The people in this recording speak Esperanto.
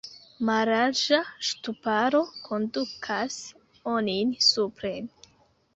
Mallarĝa ŝtuparo kondukas onin supren.